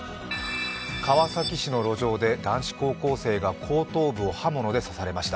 川崎市の路上で男子高校生が後頭部を刃物で刺されました。